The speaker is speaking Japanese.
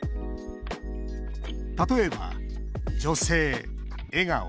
例えば「女性」「笑顔」